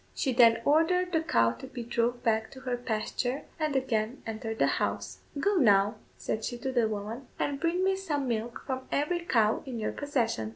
She then ordered the cow to be drove back to her pasture, and again entered the house. "Go, now," said she to the woman, "and bring me some milk from every cow in your possession."